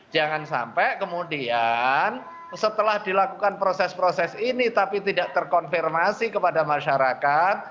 jangan sampai kemudian setelah dilakukan proses proses ini tapi tidak terkonfirmasi kepada masyarakat